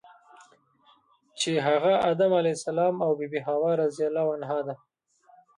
چی هغه ادم علیه السلام او بی بی حوا رضی الله عنها ده .